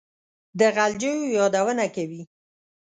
د غلجیو یادونه کوي.